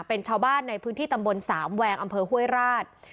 เป็นชาวบ้านในพื้นที่ตำบลสามแวงอำเภอห้วยราช